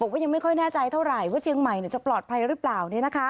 เธอไม่แน่ใจเท่าไหร่ว่าเชียงใหม่จะปลอดภัยหรือเปล่า